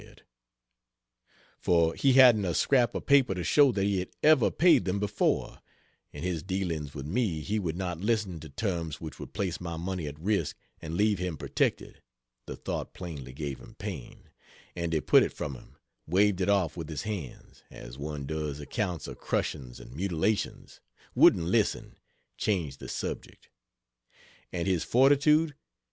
said,) for he hadn't a scrap of paper to show that he had ever paid them before; in his dealings with me he would not listen to terms which would place my money at risk and leave him protected the thought plainly gave him pain, and he put it from him, waved it off with his hands, as one does accounts of crushings and mutilations wouldn't listen, changed the subject;) and his fortitude!